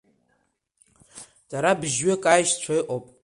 Дара бжь-ҩык аешьцәа ыҟоуп.